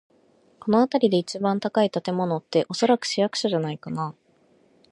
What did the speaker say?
この辺りで一番高い建物って、おそらく市役所じゃないかな。